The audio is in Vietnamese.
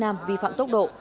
học nam vi phạm tốc độ